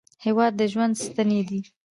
هېواد د ژوند ستنې دي.